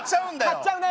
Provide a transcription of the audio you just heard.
買っちゃうね。